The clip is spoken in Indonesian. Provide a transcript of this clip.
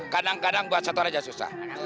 kadang kadang buat satu orang saja susah